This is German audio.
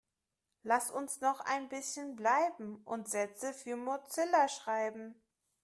Lasst uns noch ein bisschen bleiben und Sätze für Mozilla schreiben.